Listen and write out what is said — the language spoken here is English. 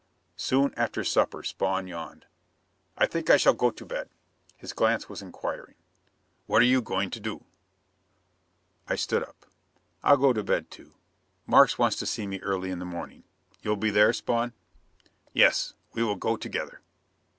Soon after supper Spawn yawned. "I think I shall go to bed." His glance was inquiring. "What are you going to do?" I stood up. "I'll go to bed, too. Markes wants to see me early in the morning. You'll be there, Spawn?" "Yes. We will go together."